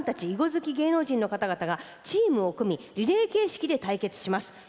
囲碁好き芸能人の方々がチームを組みリレー形式で対決します。